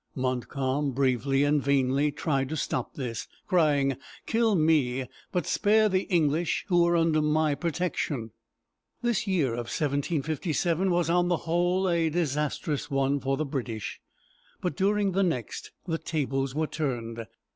Montcalm bravely and vainly tried to stop this, crying: "Kill me, but spare the English who are under my protection." This year of 1757 was, on the whole, a disastrous one for the British; but during the next, the tables were turned.